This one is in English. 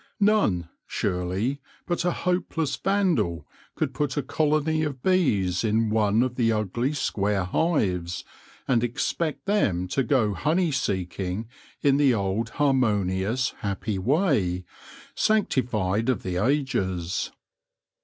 None, surely, but a hopeless Vandal could put a colony of bees in one of the ugly square hives, and expect them to go honey seeking in the old harmonious, happy way, sanctified of the ages.